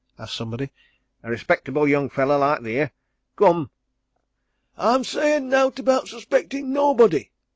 asked somebody. "A respectable young feller like that theer come!" "I'm sayin' nowt about suspectin' nobody!"